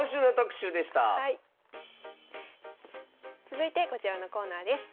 続いてこちらのコーナーです。